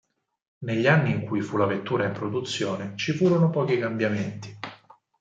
Negli anni in cui fu la vettura fu in produzione, ci furono pochi cambiamenti.